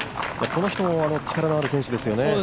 この人も力のある選手ですよね。